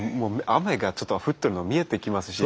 雨がちょっと降ってるの見えてきますし。